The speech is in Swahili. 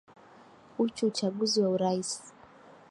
uchu uchaguzi wa urais